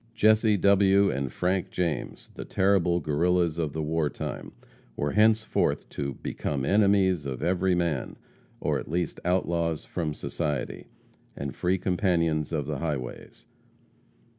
Jesse W. and Frank James, the terrible Guerrillas of the war time, were henceforth to "become enemies of every man," or at least outlaws from society, and free companions of the highways.